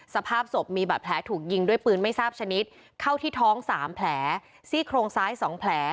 สภาพศพมีบาดแผลถูกยิงด้วยปืนไม่ทราบชนิดเข้าที่ท้อง๓แผลซี่โครงซ้าย๒แผล